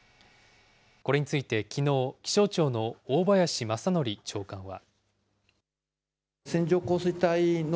これについてきのう、気象庁の大林正典長官は。